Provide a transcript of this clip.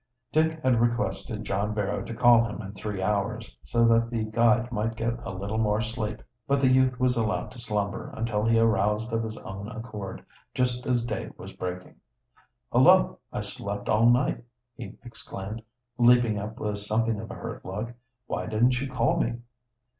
Dick had requested John Barrow to call him in three hours, so that the guide might get a little more sleep, but the youth was allowed to slumber until he aroused of his own accord, just as day was breaking. "Hullo, I've slept all night!" he exclaimed, leaping up with something of a hurt look. "Why didn't you call me?"